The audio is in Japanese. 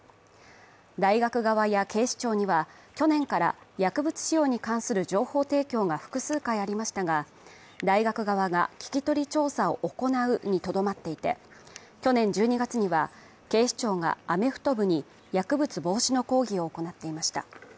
大学側や警視庁には、去年から薬物使用に関する情報提供が複数回ありましたが、大学側が聞き取り調査を行うにとどまっていて去年１２月には、警視庁がアメフト部に薬物防止の講義を行っていました。